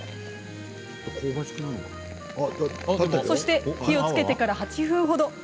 そして火をつけてから８分ほど。